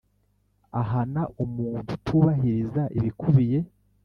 ahana umuntu utubahiriza ibikubiye.